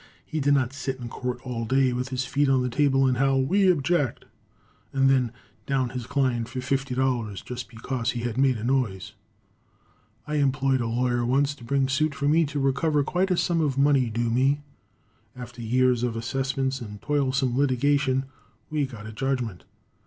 He did not sit in court all day with his feet on the table and howl, "We object," and then down his client for $50, just because he had made a noise. I employed a lawyer once to bring suit for me to recover quite a sum of money due me. After years of assessments and toilsome litigation, we got a judgment.